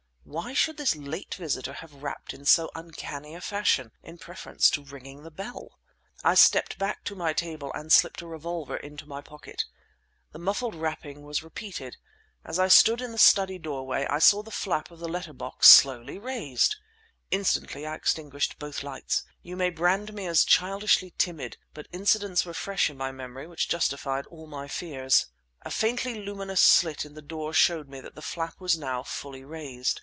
Why should this late visitor have rapped in so uncanny a fashion in preference to ringing the bell? I stepped back to my table and slipped a revolver into my pocket. The muffled rapping was repeated. As I stood in the study doorway I saw the flap of the letter box slowly raised! Instantly I extinguished both lights. You may brand me as childishly timid, but incidents were fresh in my memory which justified all my fears. A faintly luminous slit in the door showed me that the flap was now fully raised.